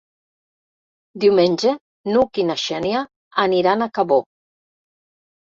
Diumenge n'Hug i na Xènia aniran a Cabó.